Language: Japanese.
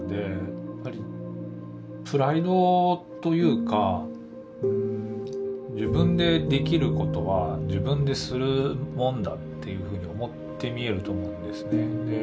やっぱりプライドというか「自分でできることは自分でするもんだ」っていうふうに思ってみえると思うんですね。